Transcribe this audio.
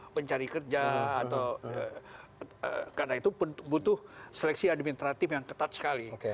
pencari kerja atau karena itu butuh seleksi administratif yang ketat sekali